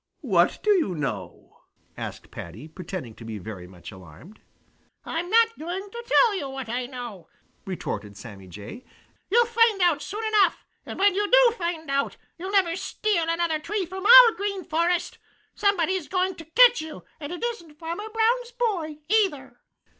"What do you know?" asked Paddy, pretending to be very much alarmed. "I'm not going to tell you what I know," retorted Sammy Jay. "You'll find out soon enough. And when you do find out, you'll never steal another tree from our Green Forest. Somebody is going to catch you, and it isn't Farmer Brown's boy either!"